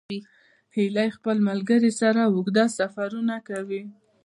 هیلۍ خپل ملګري سره اوږده سفرونه کوي